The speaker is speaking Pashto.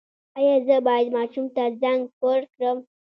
ایا زه باید ماشوم ته زنک ورکړم؟